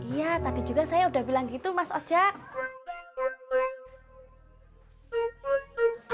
iya tadi juga saya udah bilang gitu mas oja